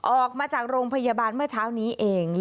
ออกมาจากโรงพยาบาลเมื่อเช้านี้เอง